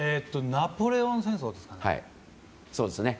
ナポレオン戦争ですかね。